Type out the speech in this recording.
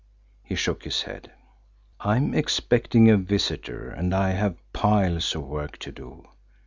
He shook his head. "I am expecting a visitor, and I have piles of work to do."